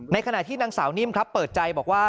ขณะที่นางสาวนิ่มครับเปิดใจบอกว่า